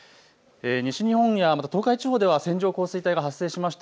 西日本や東海地方では線状降水帯が発生しました。